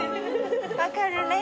分かるね？